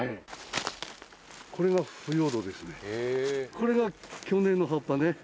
これが去年の葉っぱね。